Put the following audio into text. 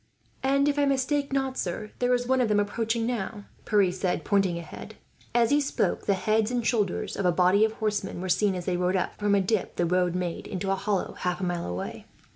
"And if I mistake not, sir, there is one of them approaching now," Pierre said, pointing ahead. As he spoke, the heads and shoulders of a body of horsemen were seen, as they rode up from a dip the road made into a hollow, half a mile away.